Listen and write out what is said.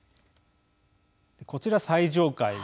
こちら、最上階。